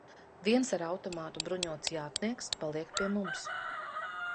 Viens ar automātu bruņots jātnieks paliek pie mums.